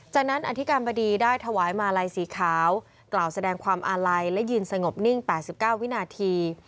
จากนั้นอธิการบดีได้ถวายมาลัยสีขาวกล่าวแสดงความอาลัยและยืนสงบนิ่ง๘๙วินาที